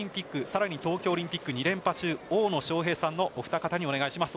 さらに東京オリンピック２連覇中大野将平さんのお二方にお願いします。